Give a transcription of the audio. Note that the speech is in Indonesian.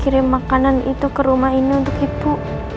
kirim makanan itu ke rumah ini untuk ibu